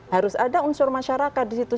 harus ada unsur masyarakat di situ